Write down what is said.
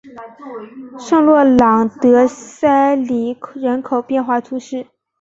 圣洛朗德塞里人口变化图示